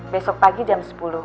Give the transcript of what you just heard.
besok pagi jam sepuluh